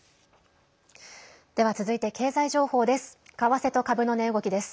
では、続いて経済情報です。